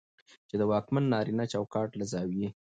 چې د واکمن نارينه چوکاټ له زاويې